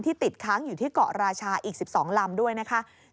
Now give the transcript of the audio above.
ติดค้างอยู่ที่เกาะราชาอีก๑๒ลำด้วยนะคะ